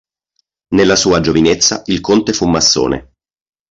Nella sua giovinezza, il conte fu massone.